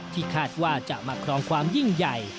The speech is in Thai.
ที่คาดว่าจะมาครองความยิ่งใหญ่